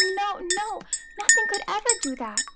no, no; nothing could ever do that!"